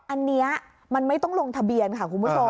อันนี้มันไม่ต้องลงทะเบียนค่ะคุณผู้ชม